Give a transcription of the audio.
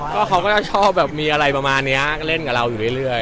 ก็เขาก็จะชอบแบบมีอะไรประมาณนี้ก็เล่นกับเราอยู่เรื่อย